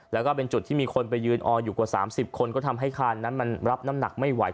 แล้วก็เป็นจุดที่มีคนไปยืนอออยู่กว่า๓๐คนก็ทำให้คานนั้นมันรับน้ำหนักไม่ไหว